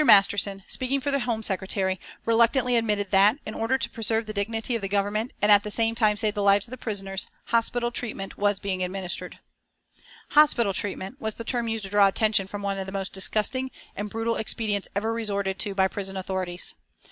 Masterman, speaking for the Home Secretary, reluctantly admitted that, in order to preserve the dignity of the Government and at the same time save the lives of the prisoners, "hospital treatment" was being administered. "Hospital treatment" was the term used to draw attention from one of the most disgusting and brutal expedients ever resorted to by prison authorities.